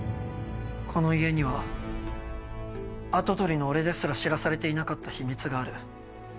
この家には跡取りの俺ですら知らされていなかった秘密がある。